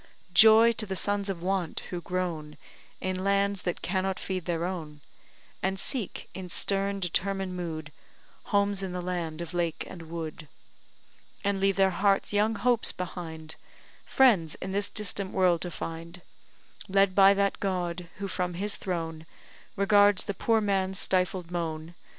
"Joy, to the sons of want, who groan In lands that cannot feed their own; And seek, in stern, determined mood, Homes in the land of lake and wood, And leave their hearts' young hopes behind, Friends in this distant world to find; Led by that God, who from His throne Regards the poor man's stifled moan.